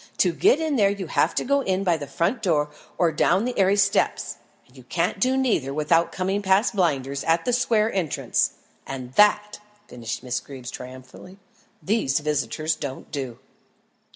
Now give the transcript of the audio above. To get in there you have to go in by the front door or down the aiery steps; and you can't do neither without coming past Blinders at the square's entrance, and that," finished Miss Greeb triumphantly, "these visitors don't do."